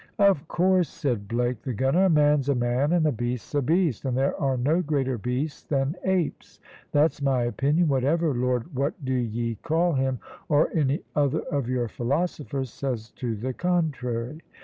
"Of course," said Blake, the gunner; "a man's a man, and a beast's a beast; and there are no greater beasts than apes; that's my opinion, whatever Lord What do ye call him, or any other of your philosophers says to the contrary."